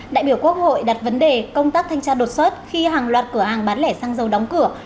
đại biểu quốc hội đặt vấn đề công tác thanh tra đột xuất khi hàng loạt cửa hàng bán lẻ xăng dầu đóng cửa